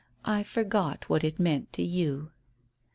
"I forgot what it meant to you."